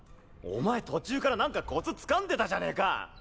お前途中から何かコツつかんでたじゃねか！